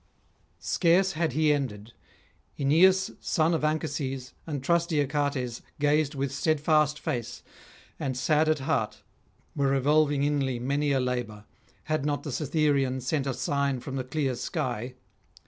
Scarce had he ended; Aeneas, son of Anchises, and trusty Achates gazed with steadfast face, and, sad at heart, were revolving inly many a labour, had not the Cytherean sent a sign from the clear sky.